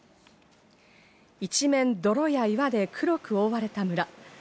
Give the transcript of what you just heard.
一面、泥や岩で黒く覆われた村。